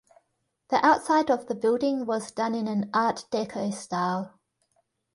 The outside of the building was done in an Art Deco style.